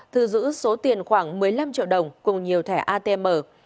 thu giữ số tiền khoảng một mươi năm triệu đồng cùng nhiều thẻ atm